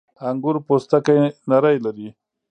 • انګور پوستکی نری لري.